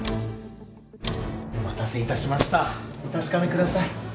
お待たせいたしましたお確かめください